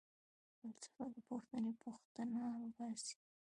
فلسفه له پوښتنې٬ پوښتنه وباسي.